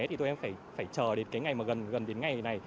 thì thôi em phải chờ đến cái ngày mà gần đến ngày này